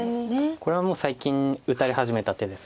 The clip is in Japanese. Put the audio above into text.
これは最近打たれ始めた手です。